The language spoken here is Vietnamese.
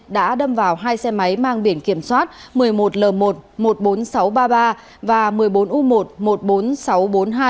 đã đâm vào hai xe máy mang biển kiểm soát một mươi một l một một mươi bốn nghìn sáu trăm ba mươi ba và một mươi bốn u một một mươi bốn nghìn sáu trăm bốn mươi hai